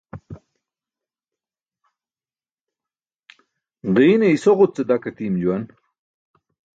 Ġiine isoġut ce dak atiim juwan.